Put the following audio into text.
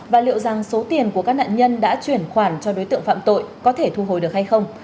và liệu rằng số tiền của các nạn nhân đã chuyển khoản cho đối tượng phạm tội có thể thu hồi được hay không